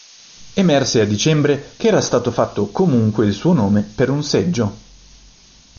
Emerse a dicembre che era stato fatto comunque il suo nome per un seggio.